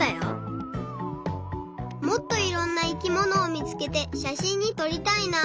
もっといろんな生きものをみつけてしゃしんにとりたいな。